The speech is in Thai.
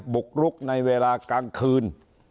บุกรุกในเวลากลางคืน